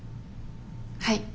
はい。